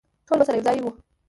ټول به سره یوځای وو.